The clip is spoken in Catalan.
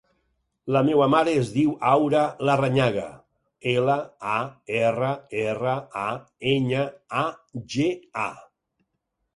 La meva mare es diu Aura Larrañaga: ela, a, erra, erra, a, enya, a, ge, a.